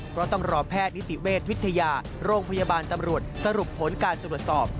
เพราะต้องรอแพทย์นิติเวชวิทยาโรงพยาบาลตำรวจสรุปผลการตรวจสอบ